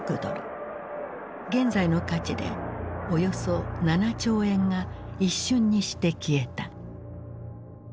現在の価値でおよそ７兆円が一瞬にして消えた。